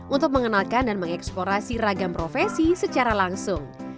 untuk mengenalkan dan mengeksplorasi ragam profesi secara langsung